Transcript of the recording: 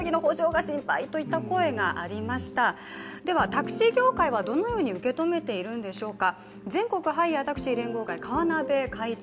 タクシー業界はどのように受け止めているんでしょうか。